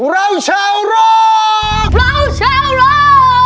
เราเช่ารองเราเช่ารอง